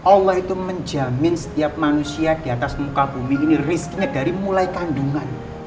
allah itu menjamin setiap manusia di atas muka bumi ini rizky dari mulai kandungan